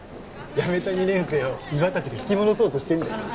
やめた２年生を伊庭たちが引き戻そうとしてるんだよ。